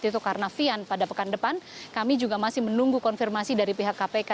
itu karena vian pada pekan depan kami juga masih menunggu konfirmasi dari pihak kpk